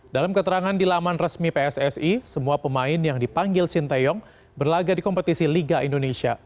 dalam keterangan di laman resmi pssi semua pemain yang dipanggil sinteyong berlaga di kompetisi liga indonesia